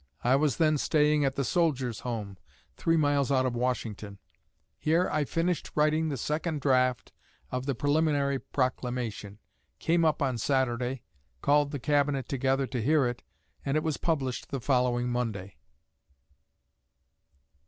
I was then staying at the Soldiers' Home (three miles out of Washington). Here I finished writing the second draft of the preliminary proclamation; came up on Saturday; called the Cabinet together to hear it; and it was published the following Monday."